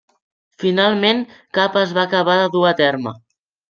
Finalment cap es va acabar de dur a terme.